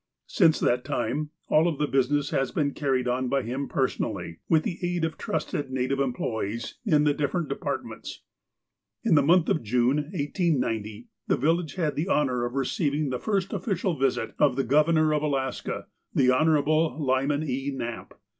Since that time aU of the business has been carried on by him personally, with the aid of trusted native em ployees in the different departments. In the month of June, 1890, the village had the honour of receiving the first official visit of the Governor of Alaska, the Hon. Lyman E. Knapp.